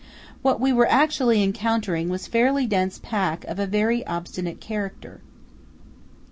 What we were actually encountering was fairly dense pack of a very obstinate character.